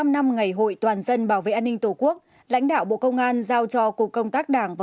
một mươi năm năm ngày hội toàn dân bảo vệ an ninh tổ quốc lãnh đạo bộ công an giao cho cục công tác đảng và